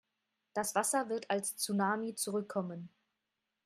Das Wasser wird als Tsunami zurückkommen.